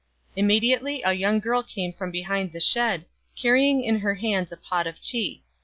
Immediately a young girl came from behind the shed, carrying in her hands a pot of tea.